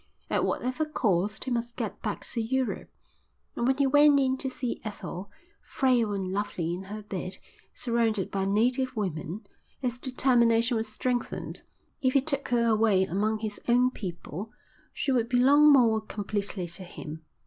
At whatever cost he must get back to Europe. And when he went in to see Ethel, frail and lovely in her bed, surrounded by native women, his determination was strengthened. If he took her away among his own people she would belong more completely to him.